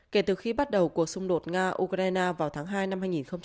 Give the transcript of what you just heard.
kể từ khi bắt đầu cuộc xung đột nga ukraine vào tháng hai năm hai nghìn hai mươi